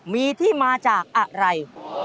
มีที่มาจากอะไร